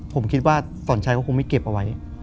ผมคิดว่าสอนชัยก็คงไม่เก็บเอาไว้